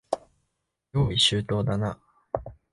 用意周到だな。